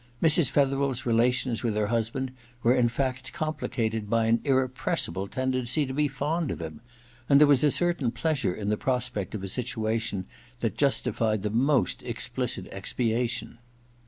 Mrs. Fetherel's 96 EXPIATION ii relations with her husband were in fact com* plicated by an irrepressible tendency to be fond of him ; and there was a certain pleasure in the prospect of a situation that justified the most explicit expiation.